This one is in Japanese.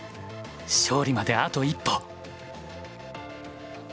勝利まであと一歩。